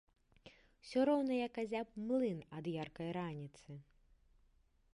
Усё роўна як азяб млын ад яркай раніцы.